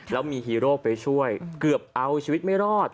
แล้วมีฮีโร่ไปช่วยเกือบเอาชีวิตไม่รอด